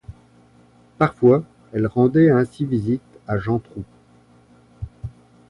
Parfois, elle rendait ainsi visite à Jantrou.